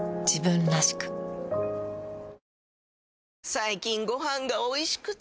最近ご飯がおいしくて！